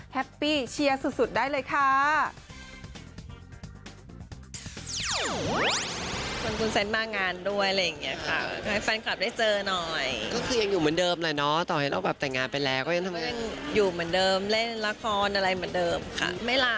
แฮปปี้เชียร์สุดได้เลยค่ะ